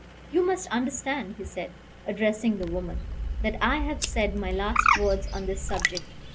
"You must understand," he said, addressing the woman, "that I have said my last words on this subject.